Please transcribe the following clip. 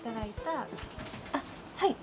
あっはい。